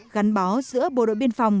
gắn bó giữa bộ đội biên phòng